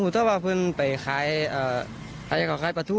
เป็นดันศึกษาระครับผม